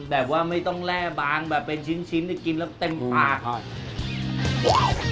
แบบว่าไม่ต้องแร่บางแบบเป็นชิ้นแต่กินแล้วเต็มปาก